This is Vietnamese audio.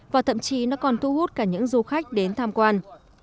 và thậm chí nó còn thu hút cả những du khách đến tham quan